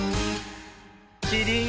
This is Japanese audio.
キリン！